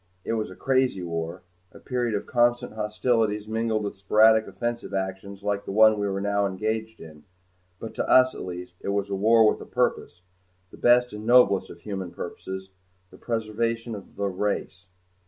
It was a crazy war a period of constant hostilities mingled with sporadic offensive actions like the one we were now engaged in but to us, at least, it was war with a purpose the best and noblest of human purposes the preservation of the race.